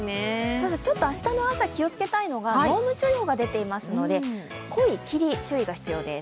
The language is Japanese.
明日の朝、気をつけたいのが濃霧注意報が出ていますので、濃い霧に注意が必要です。